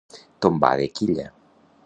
Tombar de quilla.